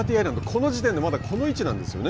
この時点でまだこの位置なんですよね。